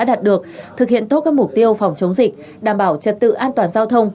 đạt được thực hiện tốt các mục tiêu phòng chống dịch đảm bảo trật tự an toàn giao thông